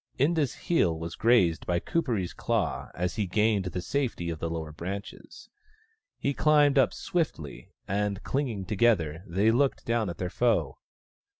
Inda's heel was grazed by Kuperee's claw as he gained the safety of the lower branches. He. climbed up swiftly, and, clinging together, they looked down at their foe.